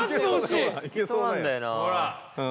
いけそうなんだよな。